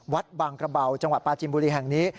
วัดบางกระเบาจังหวัดปลาจินบุรีแห่งนี้